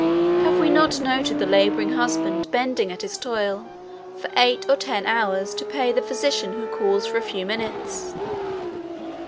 Have we not noted the laboring husband bending at his toil for eight or ten hours to pay the physician who calls for a few minutes?